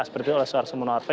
seperti itu oleh soearsomunowarva